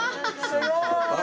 すごーい。